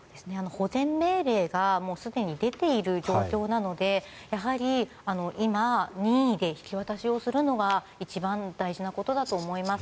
保全命令がすでに出ている状況なのでやはり、今任意で引き渡しをするのが一番大事なことだと思います。